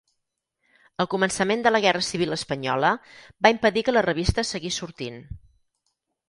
El començament de la guerra civil espanyola va impedir que la revista seguís sortint.